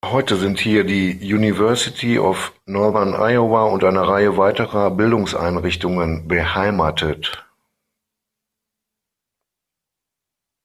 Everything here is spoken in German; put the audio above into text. Heute sind hier die University of Northern Iowa und eine Reihe weiterer Bildungseinrichtungen beheimatet.